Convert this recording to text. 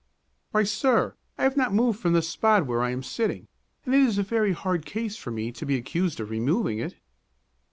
"Why, sir, I have not moved from the spot where I am sitting, and it is a very hard case for me to be accused of removing it."